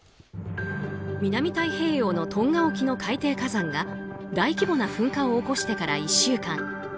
南太平洋のトンガ沖の海底火山が大規模な噴火を起こしてから１週間。